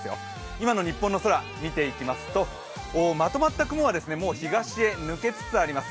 今の日本の空を見ていきますとまとまった雲はもう東へ抜けつつあります。